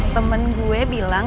temen gue bilang